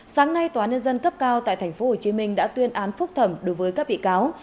sáng nay tòa nhân dân cấp cao tại tp hcm đã tuyên án phúc thẩm đối với các bị cáo